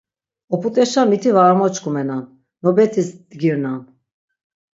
Op̆ut̆eşa miti var amoçkumenan, nobetis dgirnan.